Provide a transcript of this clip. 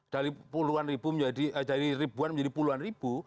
dari ribuan menjadi puluhan ribu